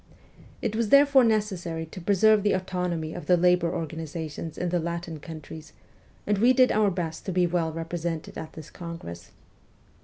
It was therefore necessary to preserve the autonomy of the labour organizations in the Latin countries, and we did our best to be well represented at this congress.